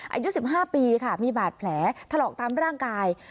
อายุ๑๕ปีค่ะมีบาดแผลถลอกตามร่างกาย